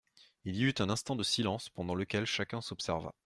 Il y eut un instant de silence pendant lequel chacun s'observa.